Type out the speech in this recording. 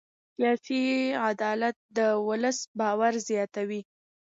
سیاسي عدالت د ولس باور زیاتوي